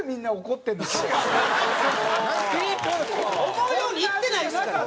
思うようにいってないですから。